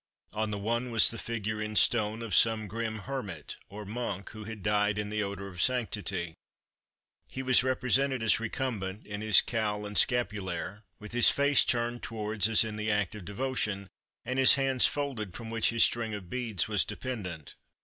On the one was the figure, in stone, of some grim hermit, or monk, who had died in the odour of sanctity; he was represented as recumbent, in his cowl and scapulaire, with his face turned upward as in the act of devotion, and his hands folded, from which his string of beads was dependent.